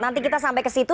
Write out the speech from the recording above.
nanti kita sampai ke situ